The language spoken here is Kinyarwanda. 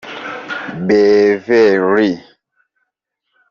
Beverly Lee